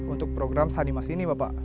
untuk program sanimas ini bapak